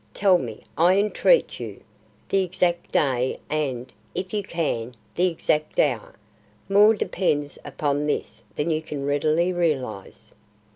Tell me, I entreat you; the exact day and, if you can, the exact hour. More depends upon this than you can readily realise."